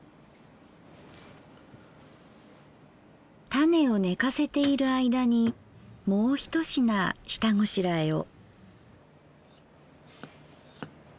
タネをねかせている間にもう一品下ごしらえを。